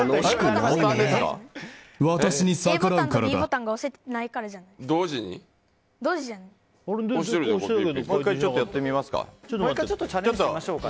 ＡボタンとＢボタンが押せてないからじゃないですか。